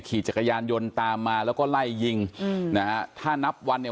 ขี่จักรยานยนต์ตามมาแล้วก็ไล่ยิงอืมนะฮะถ้านับวันเนี่ย